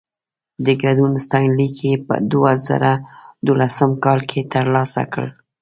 د ګډون ستاینلیک يې په دوه زره دولسم کال کې ترلاسه کړ.